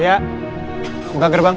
oya buka gerbang